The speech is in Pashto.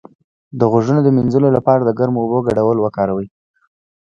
د غوږونو د مینځلو لپاره د ګرمو اوبو ګډول وکاروئ